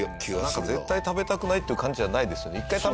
なんか絶対食べたくないって感じじゃないですよね。